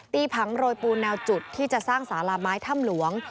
ผังโรยปูแนวจุดที่จะสร้างสาราไม้ถ้ำหลวง